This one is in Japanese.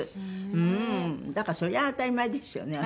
だからそりゃ当たり前ですよね